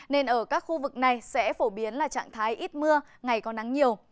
nên ở các khu vực này sẽ phổ biến là trạng thái ít mưa ngày có nắng nhiều